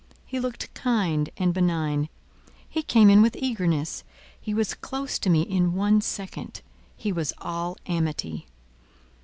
He looked kind and benign: he came in with eagerness; he was close to me in one second; he was all amity.